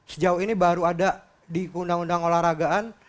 sejauh ini baru ada di undang undang olahragaan